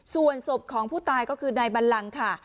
ส่วนศพของผู้ตายก็คือนายบัลลังค่ะ